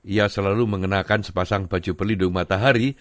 ia selalu mengenakan sepasang baju pelindung matahari